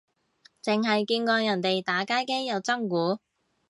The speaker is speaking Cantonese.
剩係見過人哋打街機有真鼓